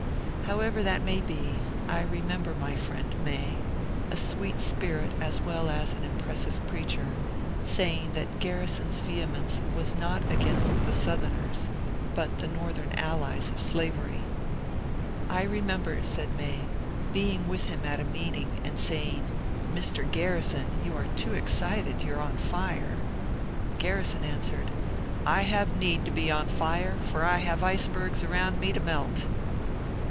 However that may be, I remember my friend May — a sweet spirit as well as an impressive preacher — saying that Gar rison's vehemence was not against the Southerners, but the Northern allies of slavery. *^ I remember," said May, ^^ being with him at a meeting, and saying, ^ Mr. Garrison, you are too excited, you are on fire I ' Gurrison answered, ^ I have need to be on fire, for I have icebergs around me to melt